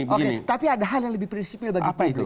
oke tapi ada hal yang lebih prinsipil bagi publik